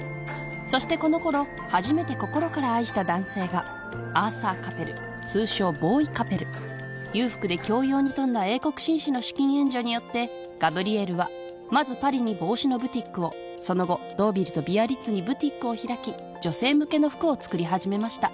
そしてこの頃初めて心から愛した男性が裕福で教養に富んだ英国紳士の資金援助によってガブリエルはまずパリに帽子のブティックをその後ドーヴィルとビアリッツにブティックを開き女性向けの服を作り始めました